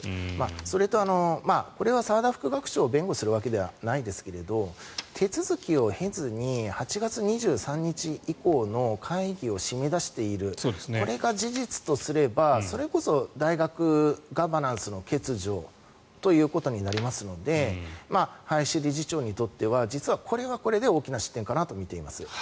それと、これは澤田副学長を弁護するわけではないですが手続きを経ずに８月２３日以降の会議を締め出しているこれが事実とすればそれこそ大学ガバナンスの欠如ということになりますので林理事長にとっては実はこれはこれで大きな失点かなと思います。